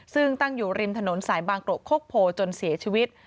ซึ่งตั้งอยู่ริมถนนสายบางกรกโคกโพจนเสียชีวิต